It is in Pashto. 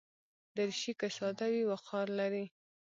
دریشي که ساده وي، وقار لري.